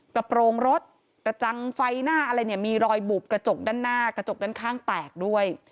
กระโปรงรถกระจังไฟหน้าอะไรเนี่ยมีรอยบุบกระจกด้านหน้ากระจกด้านข้างแตกด้วย